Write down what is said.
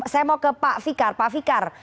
saya mau ke pak fikar